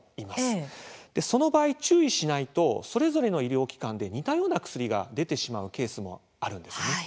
その場合、注意しないとそれぞれの医療機関で似たような薬が出てしまうケースもあるんですね。